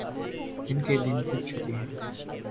ان کے دن پھر چکے ہیں۔